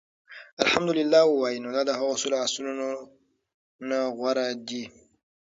اَلْحَمْدُ لِلَّه ووايي، نو دا د هغو سلو آسونو نه غوره دي